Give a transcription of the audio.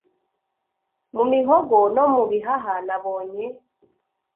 mu mihogo no mu bihaha Nabonye